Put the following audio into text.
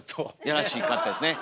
やらしかったですね。